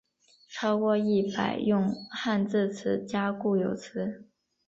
超过一百用汉字词加固有词。